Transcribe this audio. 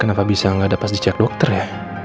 kenapa bisa nggak ada pas dicek dokter ya